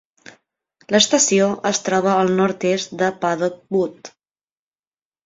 L'estació es troba al nord-est de Paddock Wood.